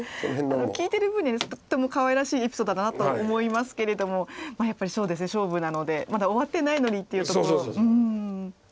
聞いてる分にはとってもかわいらしいエピソードだなと思いますけれどもやっぱりそうですね勝負なのでまだ終わってないのにっていうところ。